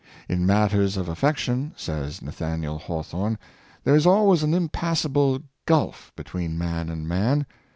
*' In matters of affection," says Nathaniel Hawthorne, " there is always an impassable gulf be tween man and man.